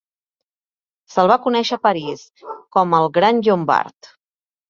Se'l va conèixer a París com a "el Gran Llombard".